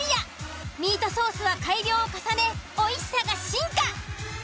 ミートソースは改良を重ねおいしさが進化。